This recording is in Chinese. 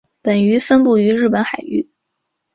本鱼分布于日本海域。